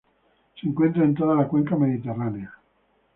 Se encuentra en toda la cuenca mediterránea.